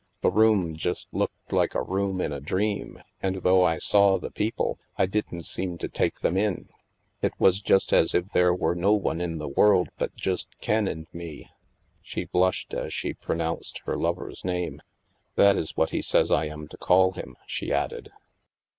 The room just looked like a room in a dream, and though I saw the people, I didn't seem to take them in. It was just as if there were no one in the world but just Ken and me." She blushed as she pronounced her lover's name. "That is what he says I am to call him," she added.